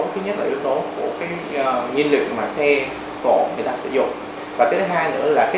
thứ nhất là yếu tố của cái nhiên liệu mà xe cổ người ta sử dụng